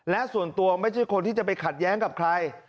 และส่วนตัวไม่ใช่คนที่จะไปขัดแย้งกับใคร